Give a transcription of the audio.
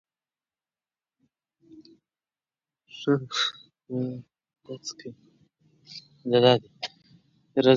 رضا پهلوي دریځ ټینګ کړی دی.